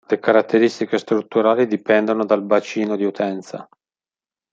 Le caratteristiche strutturali dipendono dal bacino di utenza.